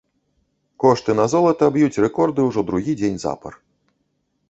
Кошты на золата б'юць рэкорды ўжо другі дзень запар.